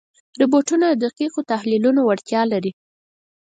روبوټونه د دقیقو تحلیلونو وړتیا لري.